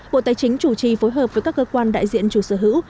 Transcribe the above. bộ tài chính chủ trì phối hợp với các cơ quan đại diện chủ sở hữu